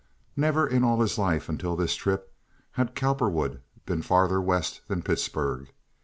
Never in all his life until this trip had Cowperwood been farther west than Pittsburg.